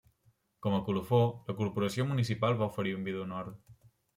Com a colofó, la Corporació Municipal va oferir un vi d’honor.